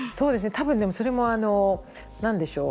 多分それもあの何でしょう？